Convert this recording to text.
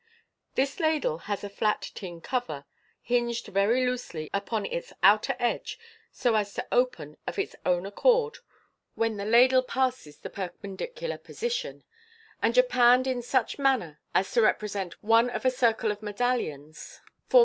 This ladle has a flat tin cover, hinged very loosely upon its outer edge (so as to open of its own accord when the Irdl ■■ passes the perpendicular position), and japanned in such manner as to represent one of a circle of medallions forming Fig.